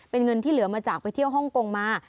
เป็นเงินที่เหลือมาจากไปเที่ยวฮ่องกงมา